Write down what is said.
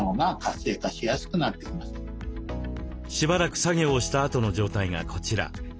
しばらく作業をしたあとの状態がこちら。